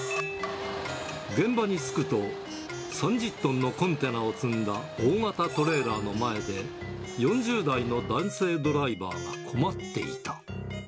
現場に着くと、３０トンのコンテナを積んだ大型トレーラーの前で、４０代の男性ドライバーが困っていた。